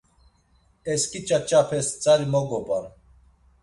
Esǩi ç̌aç̌apes tzari mo gobam.